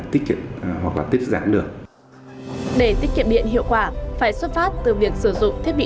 tiết kiệm hoặc là tiết giảm được để tiết kiệm điện hiệu quả phải xuất phát từ việc sử dụng thiết bị